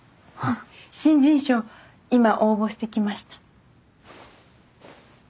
新人賞今応募してきました。